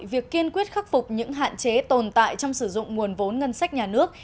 việc kiên quyết khắc phục những hạn chế tồn tại trong sử dụng nguồn vốn ngân sách nhà nước